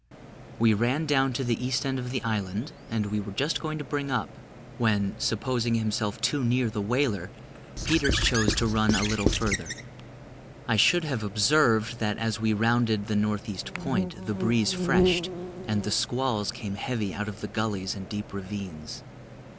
We ran down to the east end of the island, and were just going to bring up, when, supposing himself too near the whaler, Peters chose to run a little further. I should have observed, that as we rounded the north east point, the breeze freshed, and the squalls came heavy out of the gullies and deep ravines.